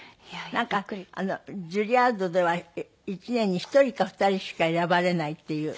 なんかジュリアードでは１年に１人か２人しか選ばれないっていう。